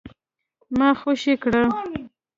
ما خوشي کړه ؟